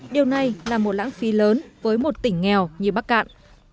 điều này là một lãng phí lớn với một tỉnh nghèo như bắc cạn